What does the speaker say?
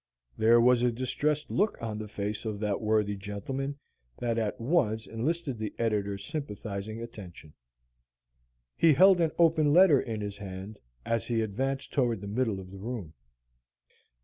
There was a distressed look on the face of that worthy gentleman that at once enlisted the editor's sympathizing attention. He held an open letter in his hand, as he advanced toward the middle of the room.